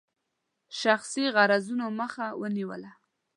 شخصي غرضونو مخه ونیوله.